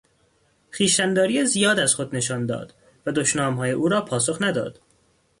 خویشتنداری زیاد از خود نشان داد و دشنامهای او را پاسخ نداد.